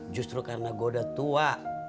justru karena gue udah tua